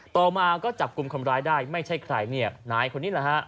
ต่อมาก็จับกลุ่มคนร้ายได้ไม่ใช่ใครเนี่ยนายคนนี้แหละฮะ